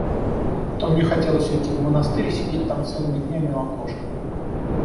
То мне хотелось уйти в монастырь, и сидеть там целыми днями у окошка.